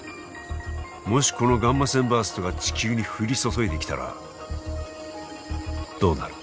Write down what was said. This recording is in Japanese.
もしこのガンマ線バーストが地球に降り注いできたらどうなる？